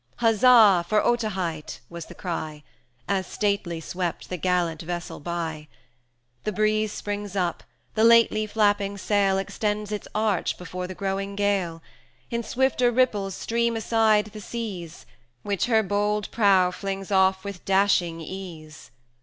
"Huzza! for Otaheite!" was the cry, As stately swept the gallant vessel by. The breeze springs up; the lately flapping sail Extends its arch before the growing gale; In swifter ripples stream aside the seas, Which her bold bow flings off with dashing ease.